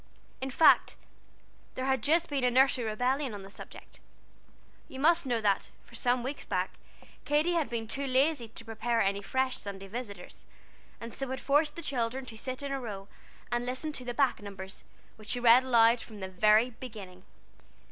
In fact, there had just been a nursery rebellion on the subject. You must know that, for some weeks back, Katy had been too lazy to prepare any fresh Sunday Visitors, and so had forced the children to sit in a row and listen to the back numbers, which she read aloud from the very beginning!